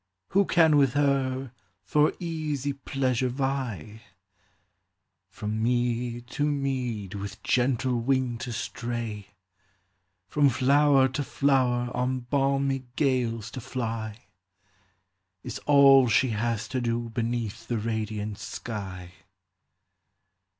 Who can with her for easy pleasure vie ?• From mead to mead with gentle wing to stray, From flower to flower on balmy gales to fly, Is all she has to do beneath the radiant sky.